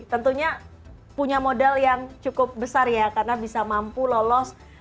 tentunya punya modal yang cukup besar ya karena bisa mampu lolos